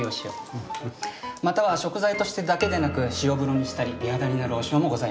または食材としてだけでなく塩風呂にしたり美肌になるお塩もございます。